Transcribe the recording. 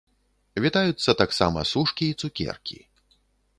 Вітаюцца таксама сушкі і цукеркі!